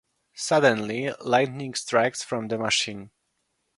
Suddenly lightning strikes from the machine.